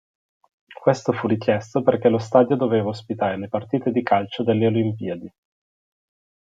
Questo fu richiesto perché lo stadio doveva ospitare le partite di calcio delle olimpiadi.